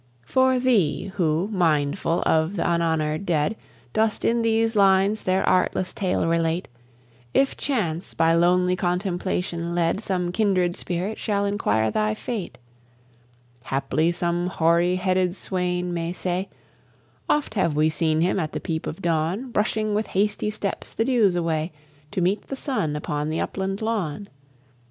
For thee, who, mindful of th' unhonour'd dead, Dost in these lines their artless tale relate; If chance, by lonely Contemplation led, Some kindred spirit shall inquire thy fate, Haply some hoary headed swain may say, "Oft have we seen him at the peep of dawn Brushing with hasty steps the dews away, To meet the sun upon the upland lawn.